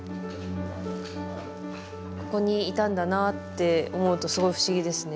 ここにいたんだなって思うとすごい不思議ですね